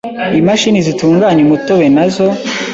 Imashini zitunganya umutobe na zo